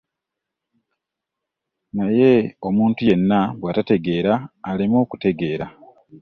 Naye omuntu yenna bw'atategeera, aleme okutegeera.